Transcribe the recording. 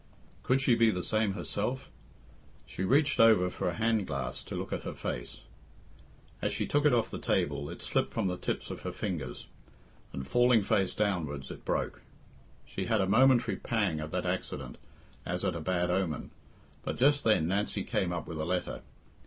Could she be the same herself? She reached over for a hand glass to look at her face. As she took it off the table, it slipped from the tips of her fingers, and, falling face downwards, it broke. She had a momentary pang at that accident as at a bad omen, but just then Nancy came up with a letter.